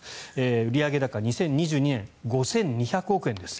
売上高２０２２年、５２００億円です。